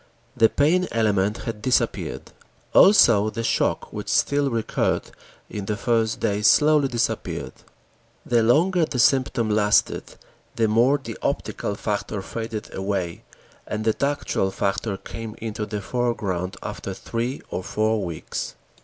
The pain element had disappeared. Also the shock, which still recurred in the first days slowly disappeared. The longer the symptom lasted, the more the optical factor faded away, and the tactual factor came into the foreground after three or four weeks.